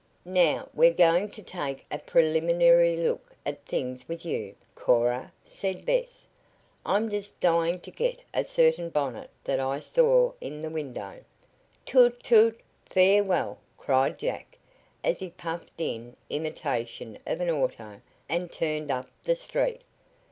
"Now we're going to take a preliminary look at things with you, Cora," said Bess. "I'm just dying to get a certain bonnet that I saw in the window." "Toot toot! Farewell!" cried Jack, as he puffed in imitation of an auto and turned up the street.